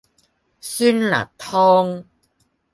酸辣湯